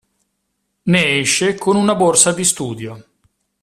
Ne esce con una borsa di studio.